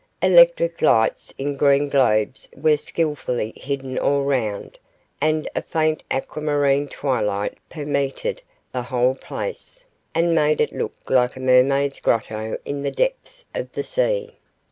Electric lights in green globes were skilfully hidden all round, and a faint aquamarine twilight permeated the whole place, and made it look like a mermaid's grotto in the depths of the sea.